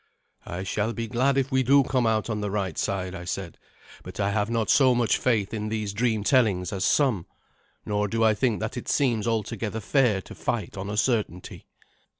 "I shall be glad if we do come out on the right side," I said; "but I have not so much faith in these dream tellings as some. Nor do I think that it seems altogether fair to fight on a certainty."